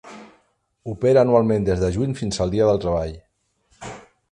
Opera anualment des de juny fins al Dia del Treball.